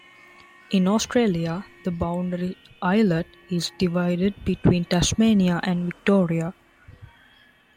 In Australia, the Boundary Islet is divided between Tasmania and Victoria.